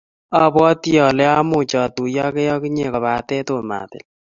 Abwoti ole amuchi atuiyegee ak inyee, kobate tomo atil.